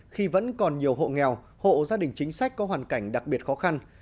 khi vẫn còn nhiều hộ nghèo hộ gia đình chính sách có hoàn cảnh đặc biệt khó khăn